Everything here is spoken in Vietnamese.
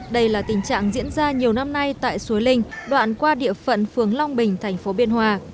đây là tình trạng diễn ra nhiều năm nay tại suối linh đoạn qua địa phận phường long bình thành phố biên hòa